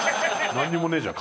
なんにもねえじゃん。